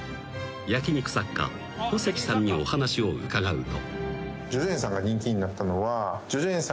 ［焼肉作家小関さんにお話を伺うと］